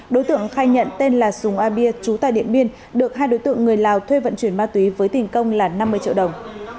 đối tượng khai nhận tên là sùng a bia trú tại điện biên được hai đối tượng người lào thuê vận chuyển ma túy với tiền công là năm mươi triệu đồng